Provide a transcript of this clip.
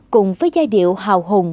cùng với giai điệu hào hùng